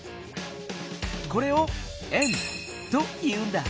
これを「円」と言うんだ。